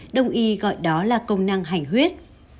đồng ý gọi đó là công năng hành huyết